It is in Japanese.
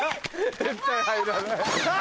絶対入らない。